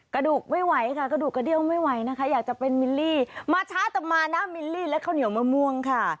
กระดูกไม่ไหวค่ะกระดูกกระเดี้ยวไม่ไหวนะคะอยากจะเป็นมิลลี่มาช้าแต่มานะมิลลี่และข้าวเหนียวมะม่วงค่ะ